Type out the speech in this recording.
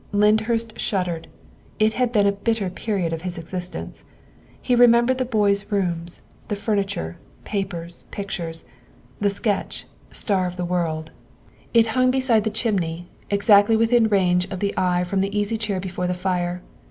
Lyndhurst shud dered : it had been a bitter period of his existence. He remembered the boy's rooms, the furniture, papers, pictures the sketch, " Star of the World." 250 THE WIFE OF It hung beside the chimney, exactly within range of the eye from the easy chair before the fire.